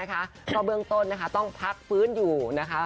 เขาเบื้องต้นต้องพักฟื้นอยู่